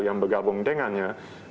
yang bergabung dengannya